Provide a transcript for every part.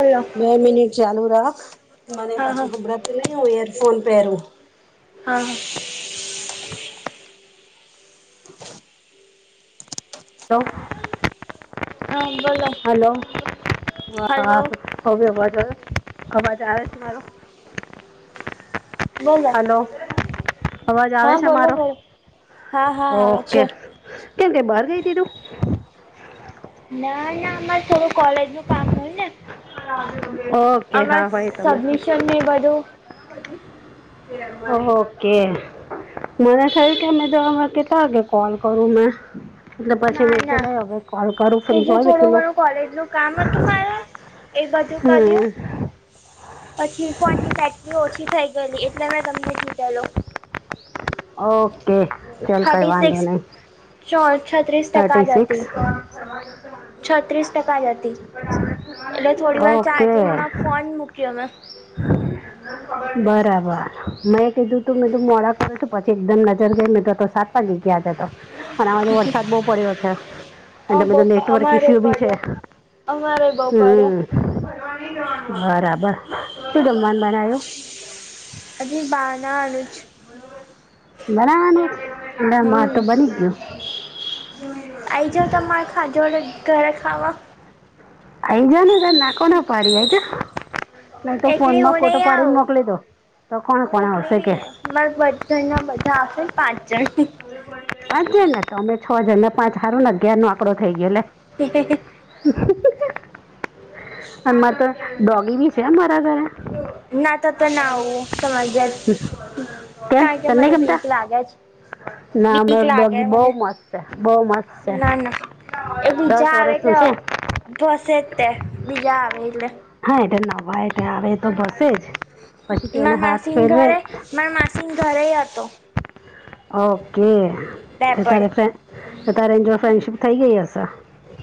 Hello - બે minute ચાલુ રાખ મને હા પછીબરત નહી હ યરફોન પહેરું- હા [inaudible] શ [inaudible] હા બોલો- હલો હા હલો હવેજ અવાજ આવે છે મારો [unintelligible] બોલો હલો અવાજ આવે હા છે બોલો મારો બોલો હા હા આવે છે ઓકે- કેમ કે બહાર ગઈ તીધું- ના ના અમારે થોડું કોલેજ નું કામ હોય ઓકે ને- અ હા ભાઈ તમે સબમિશન ને બધું- ઓકે- મને થયું કે અમે જોમાં કેટતા વાગે કોલ કરું મે- એટલે પછી ના મે તો ના લઈ હવે કોલ કરું ફ્રી બીજું હોય ત- થોડું ઘણું કોલેજનું કામ હતું મારે એ બાજુ કર્યો- પછી ફોન ની બેટરી ઓછી થઈ ગયેલી એટલે મેં તમને કીધેલો- ઓકે ચલ કઈ વાંધો નહી- ચો છત્રીસ તકા થર્ટી જ સિક્સ હતી છત્રીસ ટકા જ હતી એટલે થોડી વાર ઓકે ચાર્જિંગમાં ફોન મુ કયો મે બરાબર મેં કીધું તું મેધું મોડા [unintelligible] એકદમ નજર જઈને તો તો સાત પા ની ગયા જ તો પણ હ વરસાદ બહુ પડ્યો છે. અ અને બધ બહુ નેટવર્ક અમારે ઇશ્યુ બી છે. પડ્યો અમારે બહુ પડ્યો હમ- બરાબર શું જમવાનું બનયો? અજ બાના અનુજ- બરા ના મા તો બની ગયું. આઈજ તમારે ખાધો ઘર ખાવા. આઈ જા તન ના કોને પાડી આઈ જા ને તો ફોન એકલી હું માં ફોટો નહી પાડીને આવું મોકલી દો તો કોણ હું કોણ એકલી આવશે નહી કે? આવ મારા બધ ઘરના બધા આવે પાંચ જણ પાજે ને તો અમે છ જણ પાંચ હારું ને અગિયાર નો આંકડો થઈ ગયો એટલે [inaudible] અમારે તો ડોગી બી છે, મારા ઘરે ના તો તો ના આવું સમજયા કેમ કારણ કે તને નહીં મને ગમતા બીક લાગે જ ના બીક અમારું લાગે ડોગી મને બહુ મસ્ત છે બહુ મસ્ત છે ના ના એ દસ બીજા આવે એટલે વર્ષનું છે ભોસે તે બીજા આવે એટલે હા એટલે નવા એ આવે તો ભસે જ પછી તું એને મારા હાથ માસીન ફેરવે ઘરે મારા માસીન ઘરે હતો ઓકે રેપડ તારે ફેરે તારે એજ ફ્રેન્ડશિપ થઇ ગઈ હશે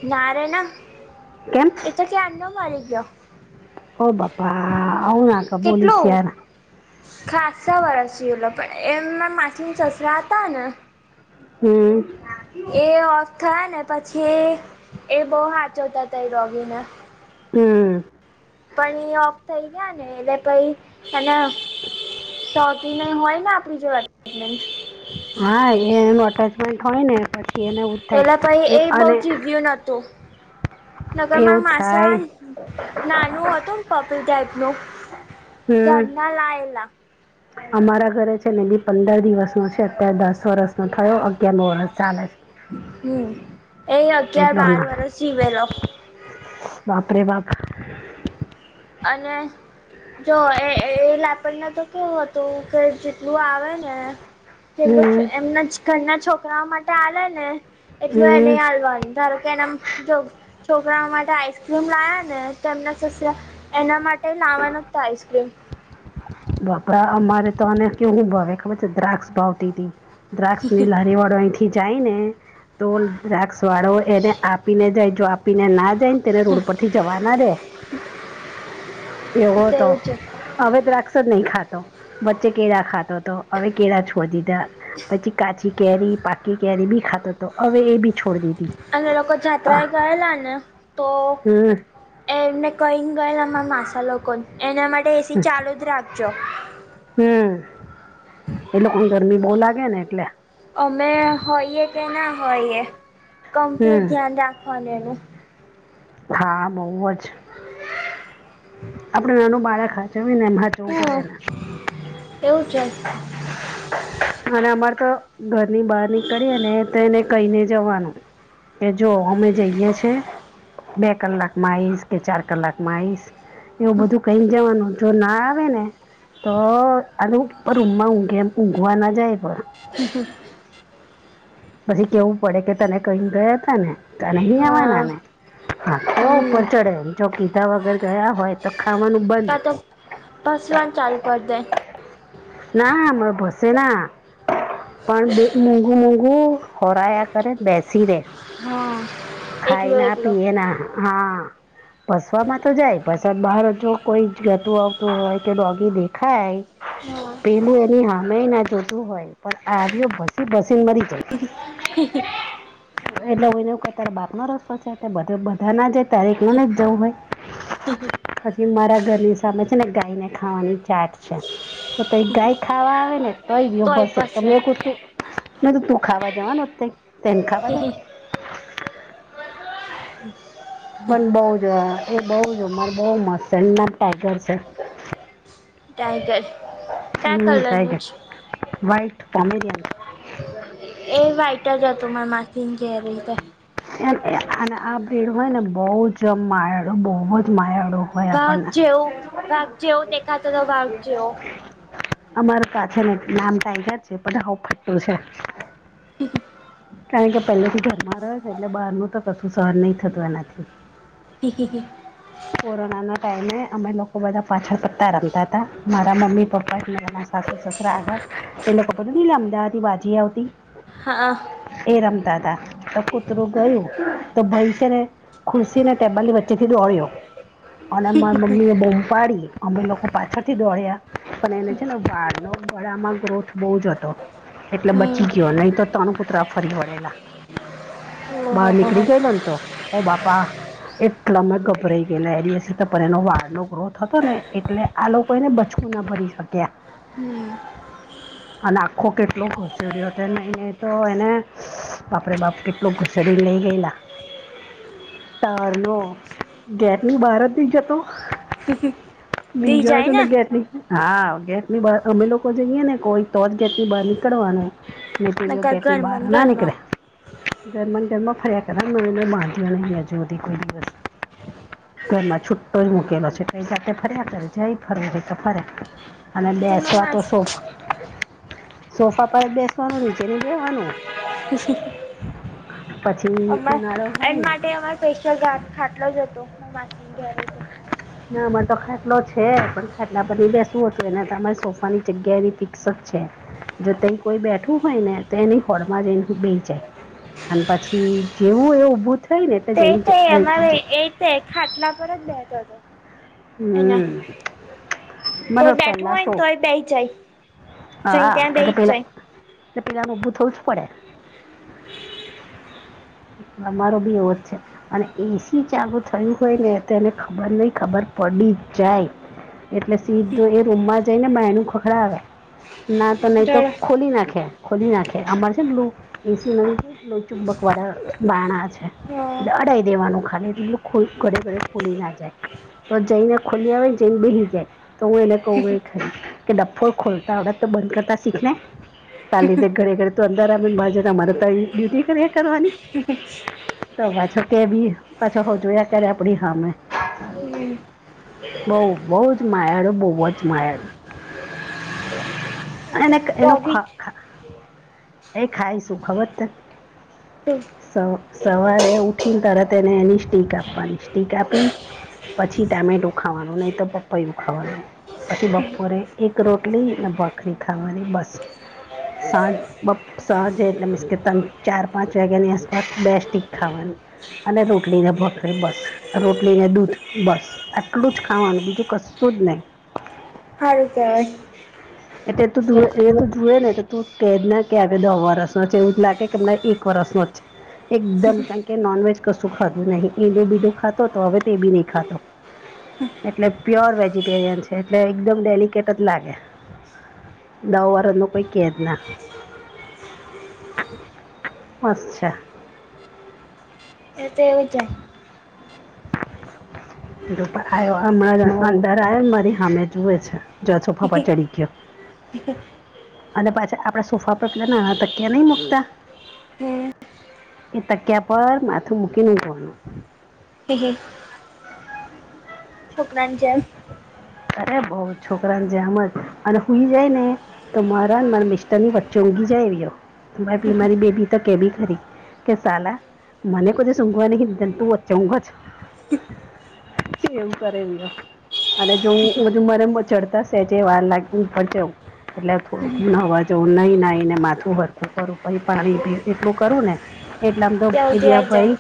ના રે ના કેમ એ તો કયારનો મારી ગયો ઓ બાપા આવ ના [unintelligible] ખાસા વરસ ઓલ પણ એમના માછન સસરા હતા ને હમ. એ ઓફ થયા ને પછી એ બો હાચોવતાતા ડોગીને હમ. પણી ઈ ઓફ થઈ ગયા ને એટલે પહી એને શોકી ને હોય ને આપડી જો [unintelligible] હા એ એનું અટેચમેન્ટ હોય ને પ એલા પહી એ બો ચીવયુ નતું એવું નગરમાં માસા થાય નાનું હતું પપી ટાઈપનુ હમ. તા લાયેલા અમારા ઘરે છે, ને બી પંદર દિવસનો છે. દસ વર્ષનો થયો અગયારનો વર્ષ ચાલે હમ એ છે અગિયાર એટલો બાર નાનો વર્ષ જીવેેલો બાપરે બાપ અને જો એ એ [unintelligible] તો કેવું હતું કે જેટલું આવે ને તેટલુ હમ એમના ઘરના છોકરાઓ માટે આલે ને એટલું એને હમ હાલવાનું ધારો કે એના જો છોકરાઓ માટે આઈસ્ક્રીમ લાયા ને તેમના સસરા એના મા ટે લાવા નતા આઈસ્ક્રીમ બાપરા અમારે તો આને કેવુ ભાવે ખબર છે, દ્રાક્ષ ભાવતીતી દ્રાક્ષ ની લારી વાળો અહીંથી જાય ને તો દ્રાક્ષવાળો એને આપીને જાય જો આપીને ના જાય ને તેને રોડ પરથી જવા ના દે એવો તો તેવું છે અવે દ્વા ની ખાતો વચ્ચે કેળા ખાતો હતો હવે કેળા છો દીધા પછી કાચી કેરી પાકી કેરી બી ખાતોતો હવે એ બી છોડી દી અને લોકો જાત્રા એ ગયેલા ને તો. હમ એ એમને કહી ને ગયેલ અમા માસા લોકો એના માટે એસી ચાલુ જ રાખજો. હમ એ લોકોને ગરમી બો લાગે ને એટલે અમે હોઈએ કે ના હોઈએ કમ્પ્લીટ હમ ધ્યાન રાખવાનું એનું હા બઉ જ [inaudible] આપડે એનું બાળક હાચવીને એમ હાચવુ પડે એને. હમ એવું જ. અને અમારે તો ઘરની બહાર નીકળી ને તો એને કઈને જવાનું. કે જો અમે જઈએ છે. બે કલાકમાં આઈશ કે ચાર કલાક માં આઇશ. એવું બધું કહીને જવાનું જો ના રે ને તો આલું. પણ રૂમમાં ઊંઘે એમ ઊંઘવા ના જાય પણ હ. પછી કેવું પડે કે તને ક‌ઇ ગયા તા ને તને અહી આવવા હા નાને. હા તો હમ ઉપર ચડે જો કીધા વગર ગયા હોય તો ખાવાનું બંધ. પાસવાન ચાલુ કરી દે. ના હ ભસે ના પણ બે મોઘુ મોઘું. ખોરાયા કરે બેસી રહેે હા ખાય એકલો ના એકલો પીએ. ને હા ભસવાવામાં તો જાય ભસવાત બહાર જો કોઈ જ ગતું. તો કે ડોગી દેખાય હા પેલું એની હા. મે ના જોતું હોય પણ આવ્યો ભસી ભસીને મરી જાય. [unintelligible] એટલે હોને ક અત્યારે બાપ નો રસ્તો છેધ બધા ના જાય ત્યારે ના જ જવું હોય. હછી મારા ઘરની સામે છે ને ગાય ને ખાવાની ચાટ છે. તો તઈ ગાય ખાવા આવે ને તોય બીવ ભસે તમે આઇપીયુ તું. મે તું તું ખાવા જવા નો તે ખાવા દે. પન બ‌ઉ. એ બહુ જ અમાર બહુ મ નામ ટાઈગર છે. ટાઈગર ક્યા કલર નું છે. વાઈટ કોમેરીયન. એ વાઈટ જ હતુ મારા માસી ને ધેરે તે. અને આ આ ભીડ હોય ને બહુ જમ માયાડો બહુ જ માયાડો. વાઘ જેવું વાધ જેવું દેખાતો હતો વાઘ જેવો. અમારે પાછ ને નામ ટાઈગર છે પણ હઉ ફટું છે. [inaudible] હ કારણ કે પહેલે તો ઘરમાં રહે છે એટલે બહાર નુ તો કશું સહન નહી થતું એનાથી. છે [inaudible] કોરોનાના ટાઈમે અમે લોકો બધા પાછળ પતા રમતા તા. મારા મમ્મી પપ્પા મારા ના સાસુ સસરા આગળ. એ લોકોબધું ન લમાતી બાજી આવતી. હા. એ રમતા તા તો કૂતરું ગયું તો ભાઈ છે ને. ખુરશી ની ટેબલ વચેથી દોળ્યો અને માર મમ્મીએ બોમપાડી. અમે લોકો પાછળથી દોડ્યા પણ એને છે ને વાળનો ગળામાં ગ્રોથ બહુ જ હતો્ એટલે હમ બચી ગયો નહી તો ત્રણ કૂતરા ફરી વળેલા. બહાર ઓહો હો હો નીકળી ગયેલો તો ઓ બાપા એટલા મે ગભરાઈ લરી હશે તો પણ એનો વાળ નો ગ્રોથ હતો ને એટલે આ લોકો એને બચવું ના ભરી શક્યા. હમ અને આખો કેટલો ઘસેડ્યો હતો નહી નહી તો એને બાપરે બાપ કેટલો ઘુસડી લઈ ગયેલા તારલો ગેટની બાર નહી જતો બી દી ગા જાય ને જ ગેટલી હા ગેટ ની બાર અમે લોકો જઈએ ને કોઈ તો જ ગેટ ની બહાર નીકળવાનું. મે તું નકર કેતી બહાર ઘરમાં ને ના નિકળે. ગરમા ગરમા ફર્યા કરને મામાંહી [inaudible] અજ કોઈ દિવસ્ત છુટો જ મૂકેલો પછે તે સાથે ફર્યા કરે જાય ફરવા છે તો ફરે. અને ઘરમાં બેસવા તો માસી સોફ સોફા પર જ બેસવાનું નીચે નહી બેેવાનું. ખુશી. પછી અમાર ઉનાળો એમ હોય ને માટે અમારે સ્પેશિયલ ઘા ખાટલો જ હતો માસીને ઘ [inaudible] ના અમારે તો ખાટલો છે પણ ખાટલા પર બેસવું હતું એને તમારી સોફાની જગ્યા એની ફિક્સ જ છે જો તે કોઈ બેઠું હોય ને તો એની હોળમાં જ એ બેસી જાય અને પછી જેવું એવુ ઉભુ તે તે અમારે એ તે ખાટલા પર જ બેહતો હતો એના હમ મારો કોઈ બેઠું પેલા હોય ને હતો તોય બેહી જાય જઈને હા ત્યાં એટલે બેહી જ પેલા તો પેલા ને ઊભું થવું જ પડે તમારો બી એવો જ છે અને એસી ચાલુ થયું હોય ને તો એને ખબર નહિ ખબર પડી જાય એટલે સીધું એ રૂમમાં જઈ ને બાયણું ખખડાવે ના તો નહી તો જાય ખોલી નાખે ખોલી નાખે અમારે છેલું એસી ચુંબક વાળા બારણા છે અડાઈ દેવાનું ખાલી ઘડે ઘડે ખુલી ના જાય તો જઈને ખોલી આવે ને જઈને બેહી જાય તો હું એને કહું એ ખરી કે ડફોડ ખોલતા આવડે તો બંધ કરતા શીખ ને તાલીધતે ઘરે ઘડ તો અંદરાર આને બાજ અમારે તો ડ્યુટી કરી કરવાની તો પાછો કેવી પાછા હો જોયા ઘરે આપણી હામે હમ બઉ બઉ જ માયાળું બહુ જ માયાળું એને એનો એ ડોગી ખ ખ ખાય શું ખબર છે તને? સવા સવારે ઉઠીને તરત એને એની સ્ટીક આપવાની સ્ટીક આપી પછી ટામેટુ ખાવાનું નહીં તો પપૈયુ ખાવાનું પછી બપોરે એક રોટલી ને ભાખરી ખાવાની બસ સાંજ બપ સાંજે એટલે મીન્સ કે ચાર પાંચ વાગ્યાની આસપાસ બે સ્ટીક ખાવાની અને રોટલીને ભાખરી બસ રોટલીને દૂધ બસ આટલું જ ખાવાનું બીજું કશું જ નહી. હારું કેવાય એટલે તો જ એ તો જુએ ને તો તું [unintelligible] દહ વર્ષ નો છે એવું જ લાગે કેમ એક વર્સ નો જ છે એકદમ કારણ કે નોનવેજ કશું ખાધું નહીં ઈંડું બીડું ખાતો તો હવે તે બી નહી ખાતો એટલે પ્યોર વેજીિટેરિયન છે એટલે એકદમ ડેલિકેટ જ લાગે દહ વરસ નું કોઈ કેજ ના અચ્છા એ તો એવું છે આવ્યો હમણાં અંદર આવ્યો મારી સામે જુએ છે જો સોફા પરા ચડી ગયો અને પાછા આપડા સોફા પર પેલા નાના તક્યા નહી મુકતા એ તક્યા પર માથું મૂકી ને જોવાનું. [inaudible] છોકરાની જેમ. અરે બો છોકરાન જેમ જ અને હુંઈ જાય ને તો મારા ને મારા મિસ્ટર ની વચ્ચે ઊંઘી જાય એરીઓ મારી બેબી તો કેબી ખરી કેસાલા મને કોઈ દિવસ ઉધવા નહી તું વચે ઉંધ જ [unintelligible] કેમું એવુ કરે વીયો જો હ મરેમ ચડતા સેજે વાર લાગવું [unintelligible] એટલે થોડું નાવા જેવું નહીં નાહી ને માથું સરખું કરું પછી પાણી પીવું એટલું કરું ને એટલે તો ત્યાં એ સુધી બે આઈ જાય ભાઈ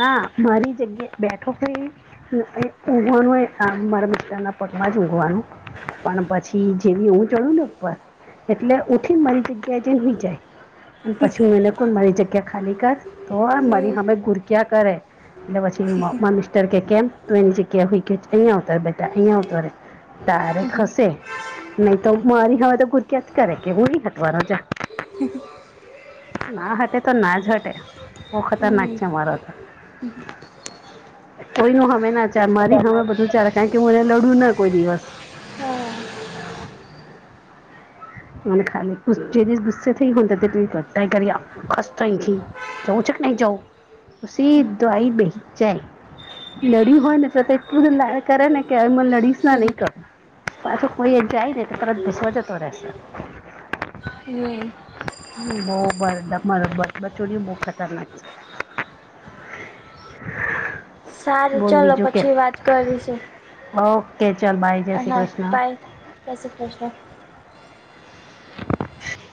ના મારી જગ્યા બેઠો હોય ઉઘવાનું મા [unintelligible] તેના પગમાં જ ઊંઘવાનું પણ પછી જેવી હું ચળુ ને ઉપર એટલે ઉઠીન મારી જગ્યાએ જઈ હુઈ જાય પછી હું એ [unintelligible] જગ્યા ખાલી કર તો મારી હમે ગુરયા કરે. લે પછી મારા મિસ્ટર કે કેમ તુ એની જગ્યા હું ઈ [unintelligible] અહીંયા આવતો રે ત્યારે ખસે નહી તો મારી હવે તો ગુરક્યા જ કર કે હું ની [unintelligible] ના હટે તો ના જ હટે બહુ હમ ખતરનાક છે મારો તો કોઈ ન હમે ના ચાલે મારી હમ હમે બધું ચાલે કારણ કે હું એને લડું ના કોઈ દિવસ હઅ. મને ખાલી ગુસ જે દિસ ગુસ્સે થઈ હોય તો તુઈ કર તય કરીઆવ ખસ તો અંય થી જઉ છ કે નહીં જઉ તો સિધો આઈ બેહીજ જાય. લડી હોય ને તો તેટલું બધું લાડ કરે ને કે મને લડીશ ના ને કર. પાછું કોઈ એ જાય ને તો તરત ભસવા જતો રેશ. હમ. હમ્મ બોવ પણ તમારુ બચુડીયું બોવ ખતરનાક છે. છે સારું બોલ ચલો બીજું કે પછી વાત કરીશું. ઓકે ચલ બાય જય શ્રી હા ક્રષ્ણ. બાય જય શ્રી ક્રષ્ણ.